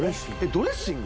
・ドレッシング？